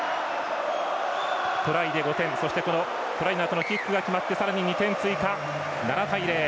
トライで５点、そしてそのあとのキックが決まってさらに２点追加、７対０。